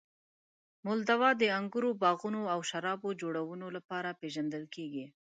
مولدوا د انګورو باغونو او شرابو جوړونې لپاره پېژندل کیږي.